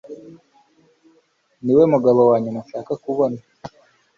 Niwe mugabo wanyuma nshaka kubona